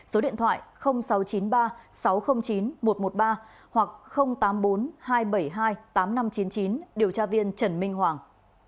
số điện thoại sáu trăm chín mươi ba sáu trăm linh chín một trăm một mươi ba hoặc tám mươi bốn hai trăm bảy mươi hai tám nghìn năm trăm chín mươi chín điều tra viên trần minh hoàng